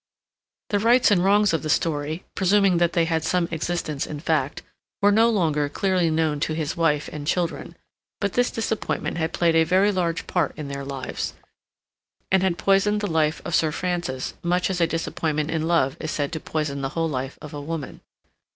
The rights and wrongs of the story, presuming that they had some existence in fact, were no longer clearly known to his wife and children; but this disappointment had played a very large part in their lives, and had poisoned the life of Sir Francis much as a disappointment in love is said to poison the whole life of a woman.